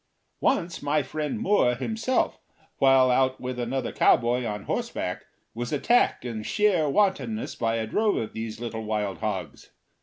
Once my friend Moore himself, while out with another cowboy on horseback, was attacked in sheer wantonness by a drove of these little wild hogs.